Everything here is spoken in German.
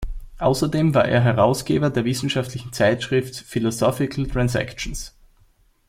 Außerdem war er Herausgeber der wissenschaftlichen Zeitschrift Philosophical Transactions.